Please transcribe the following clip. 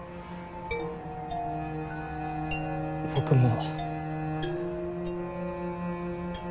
僕も。